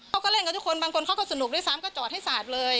เขาก็เล่นกับทุกคนบางคนเขาก็สนุกด้วยซ้ำก็จอดให้สาดเลย